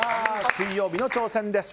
水曜日の挑戦です。